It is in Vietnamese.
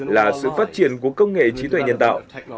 là sự phát triển của công nghệ trí tuệ nhân tạo